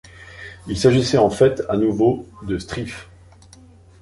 Il s'agissait en fait, à nouveau de Stryfe.